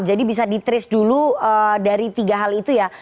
jadi bisa di triss dulu dari tiga hal itu ya